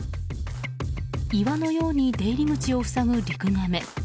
岩のように出入り口を塞ぐリクガメ。